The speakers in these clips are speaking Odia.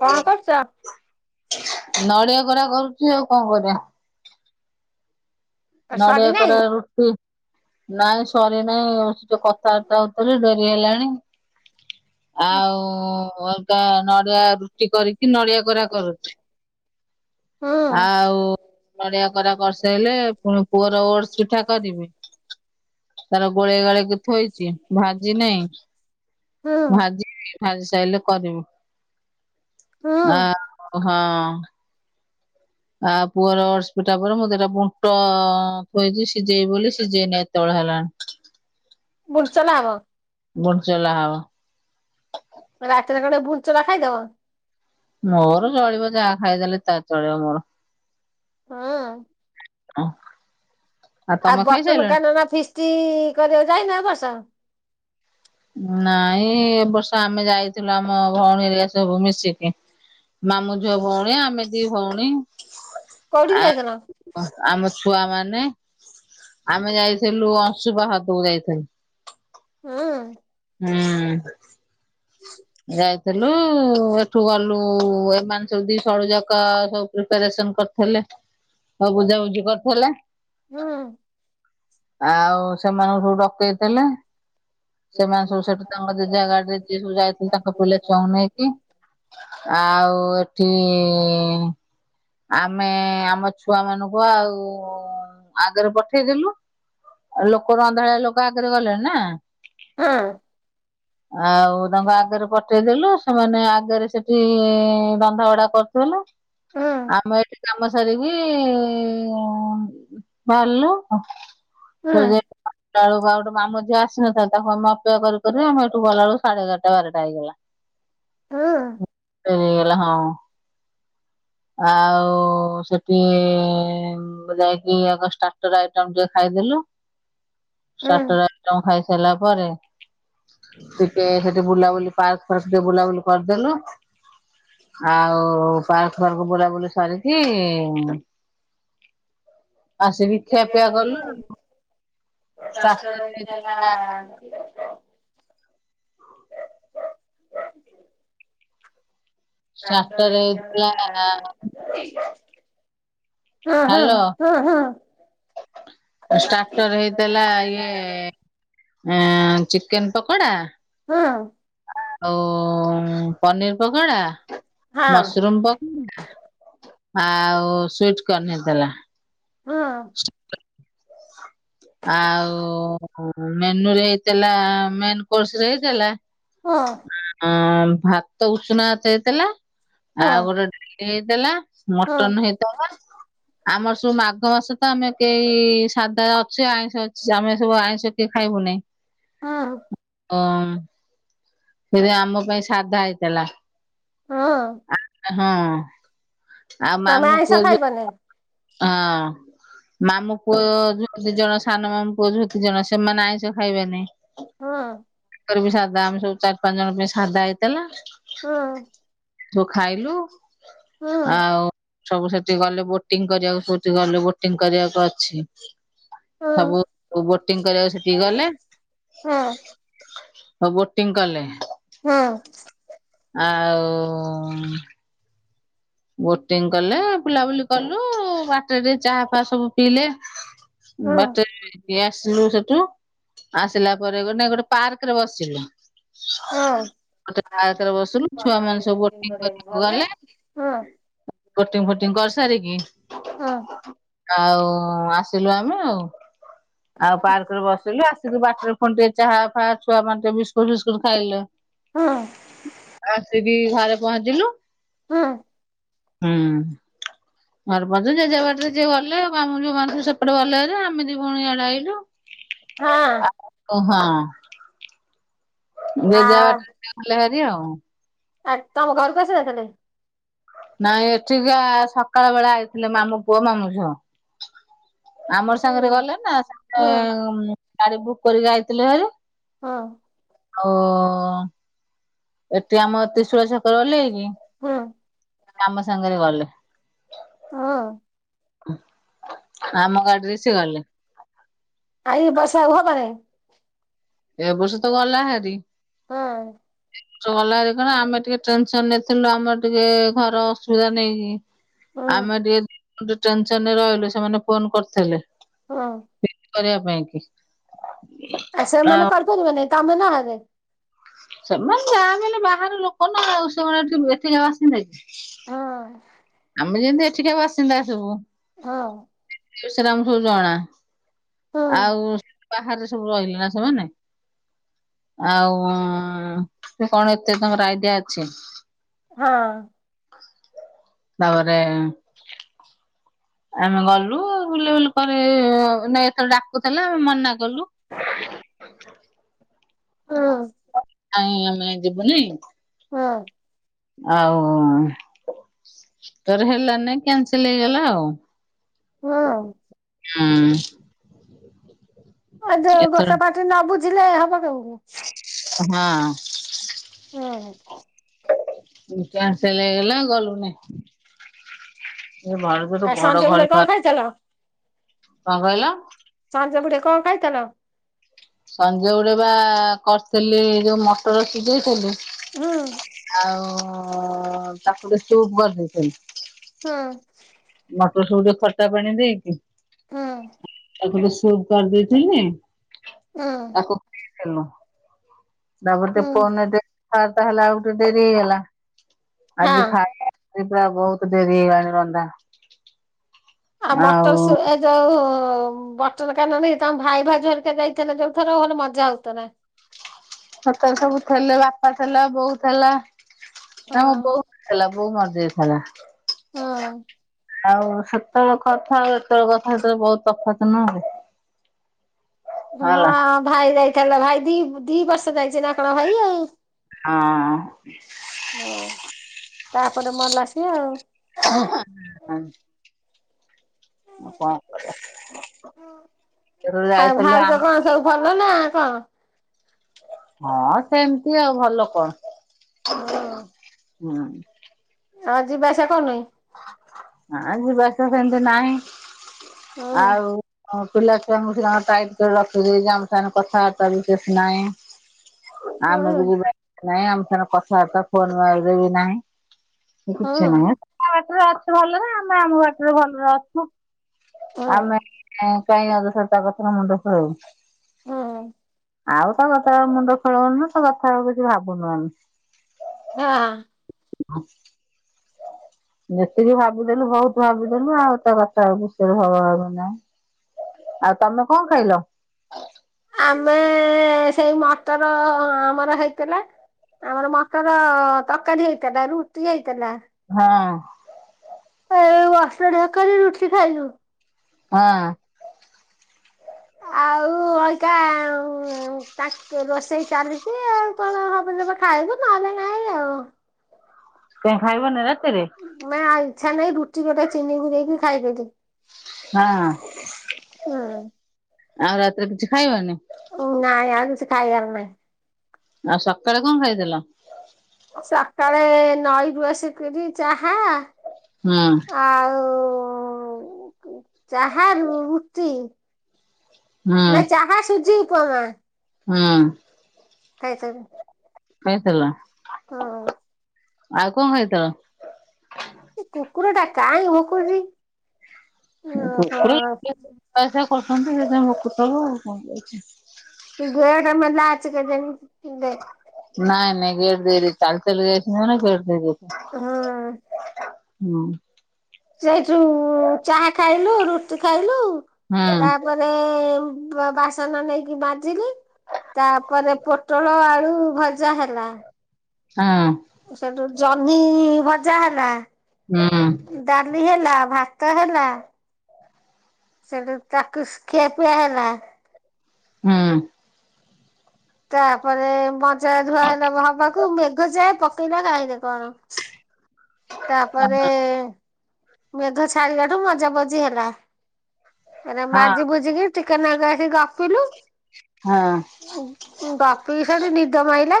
କଣ କରୁଚ? ନଡିଆ କୋରା କରୁଚି ଆଉ କଣ କରିବା। ସରି ନଡିଆ ନାଇଁ କୋରା ରୁଟି। ନାଇଁ ସରି ନାଇଁ ସେ କଥାବାର୍ତ୍ତା ହୋଉଥିଲି ଡେରି ହେଲାଣି। ହୁଁ। ଆଉ ଅଲଗା ନଡିଆ ରୁଟି କରିକି ନଡିଆ କୋରା କରୁଚି। ଆଉ ନଡିଆ କୋରା କରିସେଇଲେ ମୋ ପୁଅର ଓଡସ୍‌ ପିଠା କରିବି। ତାର ଗୋଳେଇ ଗାଳେଳି କି ଥୋଇଛି ଭାଜି ନେଇଁ ହୁଁ ଭାଜିବି। ଭାଜି ସାଇଲେ କରିବୁ ହୁଁ ଆ ହଁ। ଆ ପୁଅର ଓଡ଼ସ୍‌ ପିଠା ପରେ ମୁଁ ଦିଟା ବୁଟ ଥୋଇଚି ସିଜେଇବି ବୋଲି ସିଜେଇନି ଏତୋଳେ ହେଲାଣି। ବୁଲଚନା କଣ? ବଡ଼ଚଲା ହବ। ରାତିରେ କଣ ଭୁଲ୍ ଚଲା ଖାଇଦବ? ମୋର ଚଳିବ ଯାହା ଖାଇଦେଲେ ତା ଚଳିବ ମୋର। ହୁଁ। ଅଁ ଆଉ ଗଟନ କାନନ ଫିଷ୍ଟି କରିବାକୁ ଯାଇନ ଏ ବର୍ଷ? ନାଇଁ ଏ ବର୍ଷ ଆମେ ଯାଇଥିଲୁ ଆମ ଭଉଣୀ ଏରିକା ସବୁ ମିଶିକି। ମାମୁଁ ଝିଅ ଭଉଣୀ ଆମେ ଦି ଭଉଣୀ। କୋଉଠିକି ଆ ଯାଇଥିଲ? ଆମ ଛୁଆ ମାନେ। ଆମେ ଯାଇଥିଲୁ ଅଂଶୁବା ହଦକୁ ଯାଇଥିଲୁ। ହୁଁ। ହୁଁ। ଯାଇଥିଲୁ ଏଠୁ ଗଲୁ ଏମାନେ ସବୁ ଦି ସଡୁଯାକ ସବୁ ପ୍ରିପାରେସନ୍‌ କରି ହେଲେ ସବୁ ବୁଝାବୁଝି କରିଥିଲେ। ହୁଁ। ଆଉ ସେମାନଙ୍କୁ ସବୁ ଡକେଇଥିଲେ। ସେମାନେ ସବୁ ସେଠୁ ତାଙ୍କ ଯେଝା ଗାଡି ରେ ଯାଇଥିଲେ ତାଙ୍କ ପିଲା ଛୁଆ ଙ୍କୁ ନେଇକି। ଆଉ ଏଠି ଆମେ ଆମ ଛୁଆ ମାନଙ୍କୁ ଆଉ ଆଗରେ ପଠେଇଦେଲୁ। ଆଉ ଲୋକ ର ଅନ୍ଧାଳିଆ ଲୋକ ଆଗରେ ଗଲେଣି ନା। ହେଁ। ଆଉ ତାଙ୍କୁ ଆଗରେ ପଠେଇ ଦେଲେ ସେମାନେ ଆଗରେ ସେଠି ରନ୍ଦା ଭଡା କରୁଥିଲେ। ହଁ ଆମେ ଏଠି କାମ ସାରିକି ବାହାରିଲ ମାନେ ପା ଟା ବେଳକୁ ଆଉ ଗୋଟେ ମାମୁଁ ଝିଅ ଆସିନଥିଲା ତାକୁ ଆମେ ଅପେକ୍ଷା କରି କରି ଆମେ ଏଠୁ ଗଲାବେଳୁ ସାଢେ ଏଗାରଟ ବାରଟା ହେଇଗଲା। ହୁଁ। ଡେରି ହେଇଗଲା ହଁ। ଆଉ ସେଠି ଯାଇକି ଆଗ ଷ୍ଟାଟର ଆଇଟମ ଟିକେ ଖାଇଦେଲୁ। ହଁ ଷ୍ଟାଟର ଆଇଟମ୍ ଖାଇସାରିଲା ପରେ ଟିକେ ସେଠି ବୁଲାବୁଲି ପାର୍କ ଫାଷ୍ଟ ଟିକେ ବୁଲାବୁଲି କରିଦେଲୁ। ଆଉ ପାର ବୁଲାବୁଲି ସାରିକି ଆସି କି ଖିଆପିଆ କଲୁ ଆଉ। ହେଇଥିଲା [unintelligible] ଷ୍ଟାଟର ହେଇଥିଲା ହଁ ହଁ ହଁ ହଁ। ଷ୍ଟାଟର ହେଇଥିଲା ଇଏ ଏ ଚିକେନ ପକୋଡା ହଁ। ଆଉ ପନିର ପକୋଡା ହଁ ମସରୁମ ପକ ଆଉ ସୁଇଟ କର୍ଣ ହେଇଥିଲା। ହଁ। ଆଉ ମେନୁରେ ହେଇଥିଲା ମେନ କୋର୍ସରେ ହେଇଥିଲା। ହଁ ଆ ଭାତ ଉଷୁନା ଭାତ ହେଇଥିଲା ଆଉ ଗୋଟେ ହେଇଥିଲା ହଁ ମଟନ୍ ହେଇ ଆମର ସବୁ ମାଘ ମାସ ତ ଆମେ କେହି ସାଧା ସେ ଆଇଁଷ ଅଛି ଆମେ ସବୁ ଆଇଁଷ କିଏ ଖାଇବୁ ନାହିଁ। ହଁ। ଅମ୍ ସେଇରେ ଆମ ପାଇଁ ସାଧା ହେଇଥିଲା। ହଁ। ହଁ ଆଉ ମାମୁ ପୁଅ ଝୁଅ ଜାଣିନେଇ। ହଁ ମାମୁ ପୁଅ ଯ ଦି ଜଣ ସାନ ମାମୁ ପୁଅ ଝୁଅ ଦି ଜଣ ସେମାନେ ଆଇଁଷ ଖାଇବେନେଇ। ହଁ। ତାଙ୍କର ବି ସାଧା ଆମେ ସବୁ ଚାରି ପାଞ୍ଚ ଜଣଙ୍କ ପାଇଁ ସାଧା ହେଇଥିଲା। ହଁ। ଯୋଉ ଖାଇଲୁ ଆଉ ସବୁ ସେଠି ଗଲେ ବୋ ଟିଂ କରିବାକୁ ସଉଛି ଗଲେ ବୋଟିଂ କରିବାକୁ ଅଛି। ସବୁ ବୋଟିଂ କରିବାକୁ ସେଠିକି ଗଲେ। ଓଉ ବୋଟିଂ କଲେ। ହଁ। ଆଉ ବୋଟିଂ କଲେ ବୁଲାବୁଲି କଲୁ ବାଟରେ ଚାହା ଫା ସବୁ ପିଇଲେ। ବାଟରେ ହେଇକି ଆସିଲୁ ସେଠୁ। ଆସିଲା ପରେ ଗ ନାଇ ଗୋଟେ ପାର୍କ ରେ ବସିଲୁ। ଗୋଟେ ପାର୍କରେ ବସିଲୁ ଛୁଆ ମାନେ ସବୁ ବୋଟିଂ କରିବାକୁ ଗଲେ। ବୋଟିଂ ଫୋଟିଂ କରିସାରିକି ହଁ। ଆଉ ଆସିଲୁ ଆମେ ଆଉ ଆଉ ପାର୍କରେ ବସିଲୁ ଆ ସେ ବାଟରେ ଫୁଣୀ ଟିକେ ଚାହା ଫା ଛୁଆ ମାନେ ଟିକେ ବିସ୍କୁଟ ଫିସ୍କୁଟ ଖାଇଲେ। ଆସିକି ଘରେ ପହଞ୍ଚିଲୁ। ହୁଁ। ହୁଁ। ଘର ପହଞ୍ଚିଲୁ ଜେଝା ବାଟରେ ଯିଏ ଗଲେ ମାମୁ ଝୁଅମାନେ ସେପଟେ ଗଲେହାରି ଆମେ ଦି ଭଉଣୀ ଇଆଡେ ଆଇଲୁ। ହଁ। ଓହୋ ହାଁ। ଯେଝା ବାଟରେ ଗଲେ ହାରି ଆଉ ଆ ତମ ଘରକୁ ଆସିନଥିଲେ? ନାଇଁ ଏଠିକି ସକାଳବେଳା ଆଇଥିଲେ ମାମୁଁ ପୁଅ ମାମୁଁ ଝିଅ। ଆମରି ସାଙ୍ଗରେ ଗଲେ ନା ଗାଡି ବୁକ୍ କରିକି ଆାଇଥିଲେ ଭାରି। ହଁ। ଓ। ଏଠି ଆମ ତ୍ରିଶୂଳିଆ ଛକରେ ଓଲ୍ହେଇକି ଆମ ସାଙ୍ଗରେ ଗଲେ। ହଁ। ଆମ ଗାଡିରେ ସିଏ ଗଲେ। ଆଜି ବର୍ଷା ଆଉ ହବନି। ଏ ବର୍ଷ ତ ଗଲା ହାରି। ହଁ। ଗଲାରେ କଣ ଆମେ ଟିକେ ଟେନସନରେ ଥିଲୁ ଆମର ଟିକେ ଘର ଅସୁବିଧା ନେଇକି। ଆମେ ଆଉ ଟିକେ [inaudible] ରହିଲୁ ସେମାନେ ଫୋନ କରୁଥିଲେ। ହଁ। [inaudible] କରିବା ପାଇଁ କି? ଆ ସେମାନେ ଆଉ କରିପାରିବେ ନାଇଁ ତମେ ନହେଲେ? ସେମାନେ ଯାହା ହେଲେ ବି ବାହାର ଲୋକ ନା ଆଉ ସେମାନେ ଏଠି ଏଠିକା ଆସିବେ କି? ହଁ। ଆମେ ଯେମିତି ଏଠିକି ଆ ଆସିଲେ ଆସିବୁ? ହଁ। ସେଗୁରା ଆମକୁ ସବୁ ଜଣା। ଆଉ ବାହାରେ ସବୁ ରହିଲେ ନା ସେମାନେ? ଆଉ ତ କଣ ଏତେ ତାଙ୍କର ଆଇଡିଆ ଅଛି। ହଁ। ତାପରେ ଆମେ ଗଲୁ ବୁଲାବୁଲି ପରେ ନାଇ ତ ଡାକୁଥିଲା ମନା କଲୁ ଅ ଆମେ ଯିବୁ ନାଇଁ। ହଁ। ଆଉ ତାର ହେଲା ନାଇ କ୍ୟାନସଲ ହେଇଗଲା ଆଉ ହଁ। ହୁଁ। ଆଉ ଯୋଉ ଏଥର ଗୋଟେ ପାଟିରେ ନ ବୁଝିଲେ ହବ କେମିତି? ହଁ। ହଁ। କ୍ୟାନ୍ସେଲ ହେଇଗଲା ଗଲୁନାଇ। ଘଡଘଡିି ମାରୁଛି ଆଉ ସଞ୍ଜ କଣ ବେଳେ ଖାଇଥିଲ? କହିଲ? ସାଞ୍ଜ ବୁଡେ କଣ ଖାଇଥିଲ? ସଞ୍ଜ ଗୁଡେ ବା କରିଥିଲି ଯୋଉ ମଟର ସିଝେଇଥିଲି ଆଉ ତାକୁ ଟିକେ ସୁପ୍ କରିଦେଇଥିଲି। ହଁ। ମଟର ସୁପ୍ ଟିକେ ଖଟା ପାଣି ଦେଇକି ହଁ। ତାକୁ ଟିକେ ସୁପ୍ କରି ଦେଇଥିଲି। ହଁ। ତାକୁ ପିଇ ଥେଲୁ। ତାପରେ ଟିକେ ହୁଁ ଫୋନ୍ ଦେ କଥାବାର୍ତ୍ତା ହେଲାବେଳକୁ ଟିକେ ଡେରି ହେଇଗଲା, ଆଜି ହଁ ଖାଇବା ସେ ପୁରା ବହୁତ ଡେରି ହେଇଗଲାଣିି ରନ୍ଧା। ଆ, ଆଉ ମଟର ସୁ ଏ ଯୋଉ ବଟନ କାନ ଇଏ ତୋମ ଭାଇ ଭାଉଜ ହେରକା ଯାଇଥିଲେ ଯୋଉ ଥର ଭଲ ମଜା ହଉଥୁଲା। ସେତେଳେ ସବୁ ଥିଲେ ବାପା ଥିଲା ବୋଉ ଥିଲା, ହଁ ଆମ ବୋଉ ହେଲା ବୋଉ ମରଯାଇଥିଲା। ହଁ। ଆଉ ସେତେବେଳେ କଥା ଆଉ ଏତେବେଳେ କଥା ସେ ବହୁତ ତଫାତ୍ ନା ଏବେ। ହଁ ଭାଇ ଯାଇଥିଲା, ଭାଇ ଦି ଦି ବର୍ଷ ଯାଇଛି ନା କଣ ଭାଇ ଆଉ। ହଁ। ହଁ ତାପରେ ମଲା ସିଏ ଆଉ। ହଁ। ହଁ କଣ କରିବା ସେଠୁରୁ ଆଉ ଯାଇଥିଲୁ ଭାଉଜ ଆମ କଣ ସବୁ ଭଲ ନା କଣ? ହଁ ସେମତି ଆଉ ଭଲ କଣ? ହଁ ହୁଁ, ଆଉ ଯିବା ଆସିବା କରୁନ କି? ନାଇ ଯିବା ଆସିବା ସେମିତି ନାହିଁ। ହଁ ଆଉ ହଁ ପିଲାଛୁଆଙ୍କୁ ସିଏ ତାଙ୍କର ଟାଇଟ୍ କରି ରଖିଦେଇଚି, ଆମ ସାଙ୍ଗରେ କଥାବାର୍ତ୍ତା ବିଶେଷ ନାଇଁ। ହଁ ଆମେ ବି ହଁ ଯିବାଆସିବା ନାହିଁ, ଆମ ସାଙ୍ଗରେ କଥାବାର୍ତ୍ତା ଫୋନ୍ ଏବେ ବି ନାହିଁ। ସେ କିଛି ନାହିଁ ଏ, [inaudible] ବାଟରେ ଅଛି ଭଲରେ ଆମେ ଆମ ବାଟରେ ଭଲରେ ଅଛୁ। ହଁ ଆମେ ଏଁ, କାଇଁ ଅଯଥାରେ ତା କଥାରେ ମୁଣ୍ଡ ପୂରେଇବୁ। ହଁ। ଆଉ ତା କଥାରେ ମୁଣ୍ଡ ଖେଳଉନୁ ତା କଥା ଆଉ କିଛି ଭାବୁନୁ ଆମେ। ହଁ। ହଁ। ଯେତିକି ଭାବିଥିଲୁ ବହୁତ ଭାବିଥିଲୁ ଆଉ ତା [unintelligible] ଆଉ ତୋମେ କଣ ଖାଇଲ? ଆମେ ସେଇ ମଟର ଆମର ହେଇଥିଲା ଆମର ମଟର ତରକାରୀ ହେଇଥିଲା, ରୁଟି ହେଇଥିଲା। ହଁ। ଏଇ ମଟର ତରକାରୀ କରି ରୁଟି ଖାଇଲୁ। ହଁ। ଆଉ ଅଇକା ଆଉଁ, ଆଉଁ ତାକୁ ରୋଷେଇ ଚାଲିଚି, ଆଉ କଣ ହବ ଯେବେ ଖାଇବୁ ନଲେ ନାଇଁ ଆଉ। କାଇଁ ଖାଇବନି ରାତିରେ? ନା ଆଉ ଇଚ୍ଛା ନାହିଁ, ରୁଟି ଗୋଟେ ଚିନିକୁ ଦେଇକି ଖାଇଦେଲି। ହଁ ହୁଁ। ଆଉ ରାତିରେ କିଛି ଖାଇବନି? ଉ ନାଇଁ ଆମିଷ ଖାଇଆର ନାହି। ଆଉ ସକାଳେ କଅଁ ଖାଇଥିଲ। ସକାଳେ ନଈରୁ ଆସିକରି ଚାହା ହଁ। ଆଉ ଚାହା ରୁ ରୁଟି। ହୁଁ ନାଇ ଚାହା ସୁଜି ଉପମା। ହଁ। ଖାଇ ସାରି ସୋଇଥିଲ? ହଁ। ଆଉ କଅଁ ଖାଇ ଥଲ। ସେ କୁକୁର ଟା କାଇଁ ଭୁକୁଛି। ଓହୋ [unintelligible] କି ଗେଡ଼ମେଲା ଅଛି କେଯାଣି ନାଇଁ ନାଇଁ ଗେଟ ଦେଇଦେଇଛି ଚାଲି ଚାଲି ଯାଇ ଚି ନା ଗେଟ ଦେଇଦି। ହଁ ହୁଁ। ସେଇଠୁ ଚାହା ଖାଇଲୁ ରୁଟି ଖାଇଲୁ ହୁଁ ତାପରେ ସେ ବାସନ ନେଇକି ମାଜିଲି ତାପରେ ପୋଟଳ ଆଳୁ ଭଜା ହେଲା। ହଁ ସେଠୁ ଜହ୍ନି ଭଜା ହେ। ହୁଁ।। ଡାଲି ହେଲା ଭାତ ହେଲା ସେଠୁ ତାକୁ ଖିଆ ପିଆ ହେଲା। ହୁଁ। ତାପରେ ମଜା ଧୁଆ ହେଲା ହବାକୁ ମେଘ ଯେ ପକେଇଲା କାହିଁରେ କଣ। ତାପରେ ମେଘ ଛାଡିଲାଠୁ ମଜା ମଜି ହେଲା ହେରା ହଁ ମାଜି ମୁଝିକି ଟିକନାଗୁ ଏଠି ଗପିଲୁ। ହଁ। ଗପି କି ସେଠୁ ନିଦ ମାଇଲା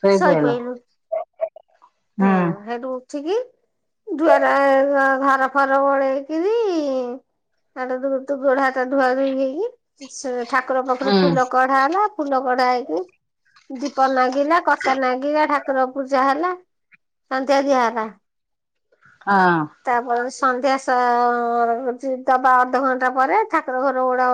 ଶୋଇପଇଲ ଶହିପହିଲୁ। ହୁଁ ହେଟୁ। ଉଠିକି ଦୁଆର ଘର ଫାର ଓଳେଇକରି ହୋଟୁ ତୁଗୋଡ ହାତ ଧୁଆ ଧୁଇ ହେଇକି ଠାକୁର ପାଖରୁ ହୁଁ ଫୁଲ କଢା ହେଲା ଫୁଲ କଡା ହେଇକି ଦୀପ ନାଗିଲା କଷା ନାଗିଲା ଠାକୁର ପୂଜା ହେଲା। ସନ୍ଧ୍ୟ। ଦିଆ ହେଲା। ହଁ। ତାପରେ ସନ୍ଧ୍ୟା ଦବା ଅଧଘଣ୍ଟା ପରେ ଠାକୁର ଘର ଉଡା ଉଳି